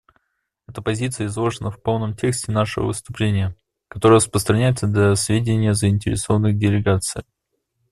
Эта позиция изложена в полном тексте нашего выступления, который распространяется для сведения заинтересованных делегаций.